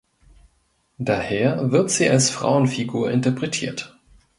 Daher wird sie als Frauenfigur interpretiert.